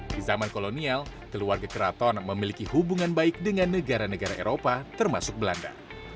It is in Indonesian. di zaman kolonial keluarga keraton memiliki hubungan baik dengan negara negara eropa termasuk belanda